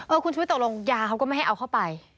คุณชุวิตตกลงยาเขาก็ไม่ให้เอาเข้าไป